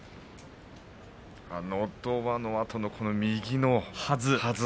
のど輪のあとの右のはず